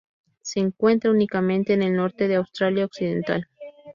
Se encuentra únicamente en el norte de Australia Occidental.